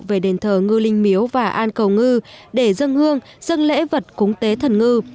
về đền thờ ngư linh miếu và an cầu ngư để dân hương dân lễ vật cúng tế thần ngư